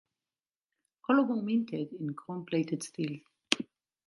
All were minted in chrome-plated steel.